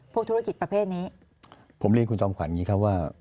ธุรกิจประเภทนี้ผมเรียนคุณจอมขวัญอย่างนี้ครับว่า